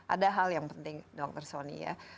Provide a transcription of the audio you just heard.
ada hal yang penting dokter sony ya